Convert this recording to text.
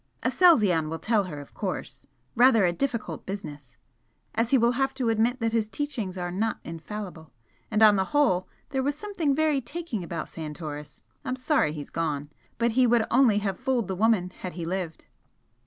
"Aselzion will tell her, of course. Rather a difficult business! as he will have to admit that his teachings are not infallible. And on the whole there was something very taking about Santoris I'm sorry he's gone. But he would only have fooled the woman had he lived."